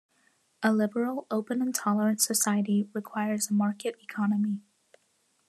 A liberal, open and tolerant society requires a market economy.